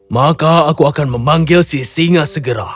maka aku akan memanggil si singa segera